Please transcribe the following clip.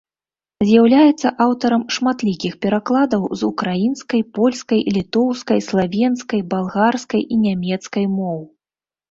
З'яўляецца аўтарам шматлікіх перакладаў з украінскай, польскай, літоўскай, славенскай, балгарскай і нямецкай моў.